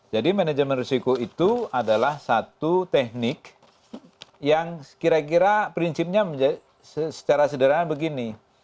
jadi manajemen resiko itu adalah satu teknik yang kira kira prinsipnya secara sederhana begini